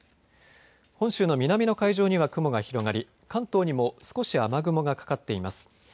本州の南の海上には雲が広がり関東にも少し雨雲がかかっています。